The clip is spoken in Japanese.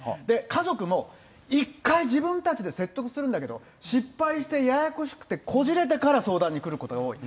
家族も、１回、自分たちで説得するんだけど、失敗してややこしくてこじれてから相談に来ることが多い。